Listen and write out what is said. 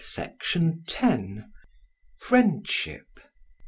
Section 10. Friendship.